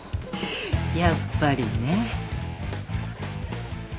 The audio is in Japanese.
やっぱりね。